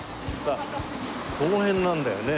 この辺なんだよね。